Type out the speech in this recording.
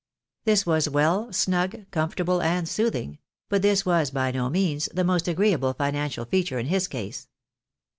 This was well, snug, comfortable, and soothing ; but this was, by no means, the most agreeable financial feature in his case.